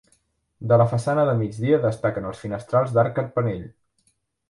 De la façana de migdia destaquen els finestrals d'arc carpanell.